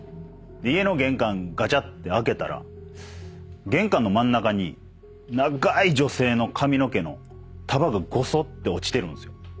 で家の玄関ガチャッて開けたら玄関の真ん中に長ーい女性の髪の毛の束がごそって落ちてるんですよ。